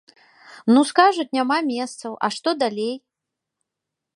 Ну, скажуць, няма месцаў, а што далей!